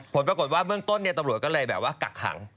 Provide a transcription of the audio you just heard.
ผลปรากฏว่าเบื้องต้นตำรวจก็เลยแบบว่ากักขัง